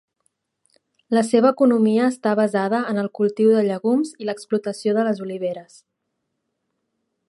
La seva economia està basada en el cultiu de llegums i l'explotació de les oliveres.